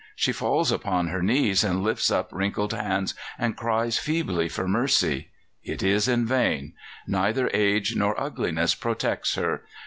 she falls upon her knees and lifts up wrinkled hands and cries feebly for mercy. It is in vain! Neither age nor ugliness protects her.